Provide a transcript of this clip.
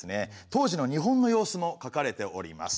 当時の日本の様子も書かれております。